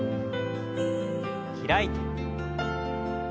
開いて。